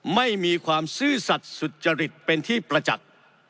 ไม่มีความซื่อสัตว์สุจริตเป็นที่ประจักษ์